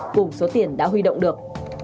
cùng số tiền đã huy động được